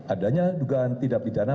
adanya juga tidak bidana